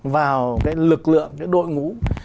vào cái lực lượng cái đội ngũ